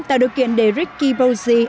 tạo điều kiện để ricky bozy